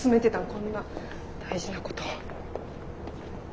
こんな大事なこと。